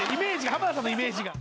浜田さんのイメージが。